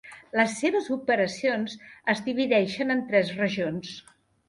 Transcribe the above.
Les seves operacions es divideixen en tres regions.